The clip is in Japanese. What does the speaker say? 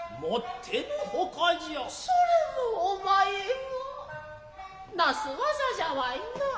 それもお前がなす業じゃわいなァ。